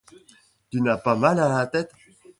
Tu n’as pas mal à la tête ?